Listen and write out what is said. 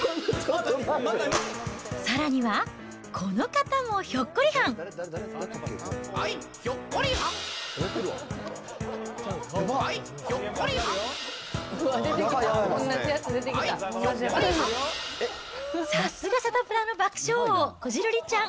さらには、この方もひょっこりはん。